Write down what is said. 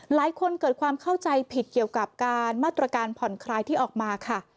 หลายคนเกิดความเข้าใจผิดเกี่ยวกับการมาตรการผ่อนคลายที่ออกมาค่ะ